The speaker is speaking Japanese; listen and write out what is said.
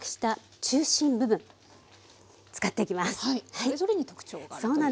それぞれに特徴があるということですね。